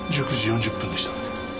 １９時４０分でした。